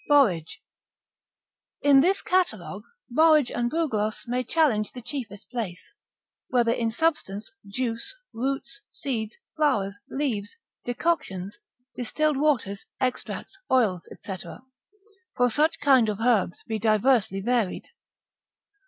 Borage.] In this catalogue, borage and bugloss may challenge the chiefest place, whether in substance, juice, roots, seeds, flowers, leaves, decoctions, distilled waters, extracts, oils, &c., for such kind of herbs be diversely varied.